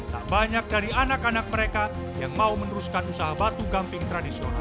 tak banyak dari anak anak mereka yang mau meneruskan usaha batu gamping tradisional